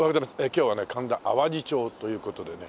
今日はね神田淡路町という事でね